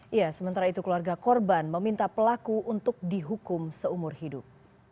iya sementara itu keluarga korban meminta pelaku untuk dihukum seumur hidup